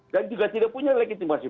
dan juga tidak punya legitimasi